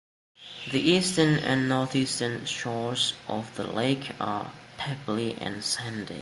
The eastern and northeastern shores of the lake are pebbly and sandy.